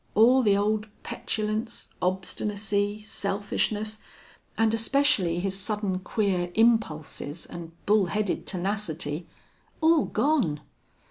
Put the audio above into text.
All the old petulance, obstinacy, selfishness, and especially his sudden, queer impulses, and bull headed tenacity all gone!